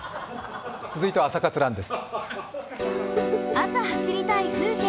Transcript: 続いては「朝活ＲＵＮ」です。